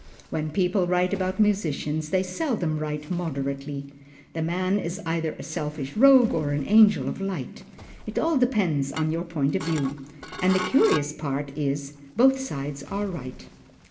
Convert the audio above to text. When people write about musicians, they seldom write moderately. The man is either a selfish rogue or an angel of light it all depends upon your point of view. And the curious part is, both sides are right.